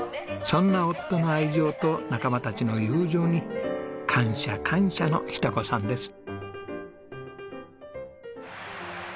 そんな夫の愛情と仲間たちの友情に感謝感謝の日登子さんです。